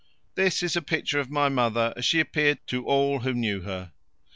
This is a picture of my mother as she appeared to all who knew her.